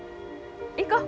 行こう。